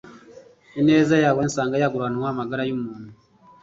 ineza yawe nsanga yaguranwa amagara y'umuntu